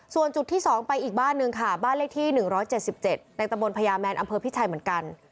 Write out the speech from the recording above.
ส่วนจุดที่๒ไปอีกบ้านหนึ่งค่ะบ้านเลขที่๑๗๗ในตะบนพญาแมนอำเภอพิชัยเหมือนกัน